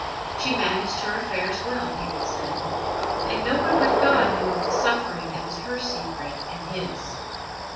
She managed her affairs well, people said, and no one but God knew of the suffering that was her secret and His.